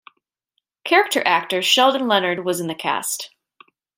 Character actor Sheldon Leonard was in the cast.